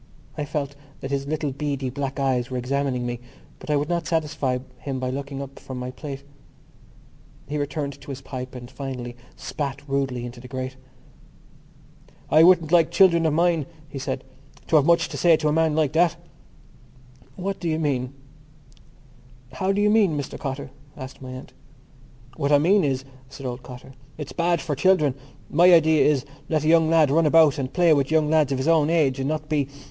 I felt that his little beady black eyes were examining me but I would not satisfy him by looking up from my plate. He returned to his pipe and finally spat rudely into the grate. "I wouldn't like children of mine," he said, "to have too much to say to a man like that." "How do you mean, Mr Cotter?" asked my aunt. "What I mean is," said old Cotter, "it's bad for children. My idea is: let a young lad run about and play with young lads of his own age and not be....